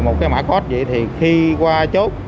một cái mã code vậy thì khi qua chốt